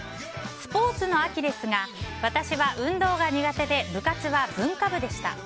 スポーツの秋ですが私は運動が苦手で部活は文化部でした。